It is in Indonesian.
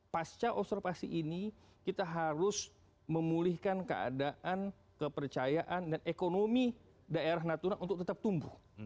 pasca observasi ini kita harus memulihkan keadaan kepercayaan dan ekonomi daerah natuna untuk tetap tumbuh